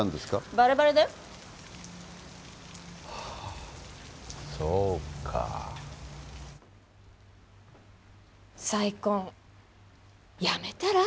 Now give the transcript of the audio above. バレバレだよはあそっかあ再婚やめたら？